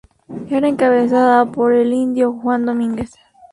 Era encabezada por el indio Juan Domínguez.